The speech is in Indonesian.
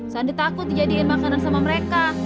sandi takut dijadiin makanan sama mereka